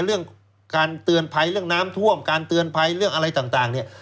เรื่องการเตือนภัยเรื่องน้ำท่วมการเตือนภัยเรื่องอะไรต่างเนี่ย